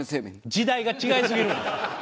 時代が違いすぎるわ。